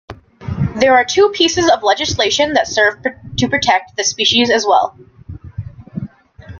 There are two pieces of legislation that serve to protect the species as well.